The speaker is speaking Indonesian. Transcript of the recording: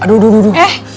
aduh aduh aduh